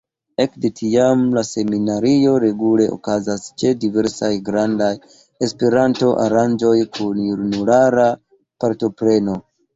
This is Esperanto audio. Ekde tiam la seminario regule okazas ĉe diversaj grandaj Esperanto-aranĝoj kun junulara partopreno.